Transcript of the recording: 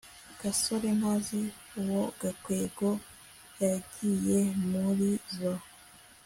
gasore ntazi uwo gakwego yagiye muri zoo